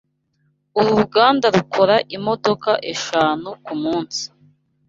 Uru ruganda rukora imodoka eshanu kumunsi.